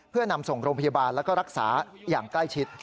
เพื่อนำส่งโรงพยาบาลแล้วก็รักษาอย่างใกล้ชิด